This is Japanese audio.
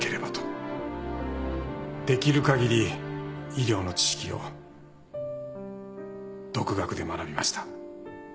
できる限り医療の知識を独学で学びました。